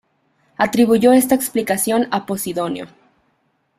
Atribuyó esta explicación a Posidonio.